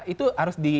itu harus di